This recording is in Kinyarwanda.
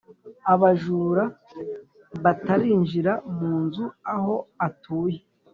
abajura batarinjira mu nzu aho atuye